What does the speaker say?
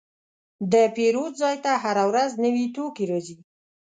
د پیرود ځای ته هره ورځ نوي توکي راځي.